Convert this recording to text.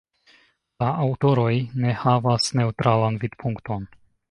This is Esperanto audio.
La aŭtoroj ne havas neŭtralan vidpunkton.